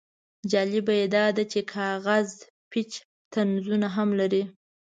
جالبه یې دا دی چې کاغذ پیچ طنزونه هم لري.